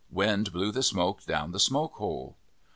Wind blew the smoke down the smoke hole.